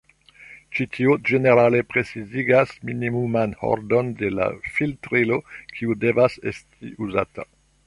Ĉi tio ĝenerale precizigas minimuman ordon de la filtrilo kiu devas esti uzata.